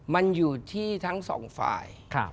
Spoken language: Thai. มันอยู่ที่ทั้งสองฝ่าย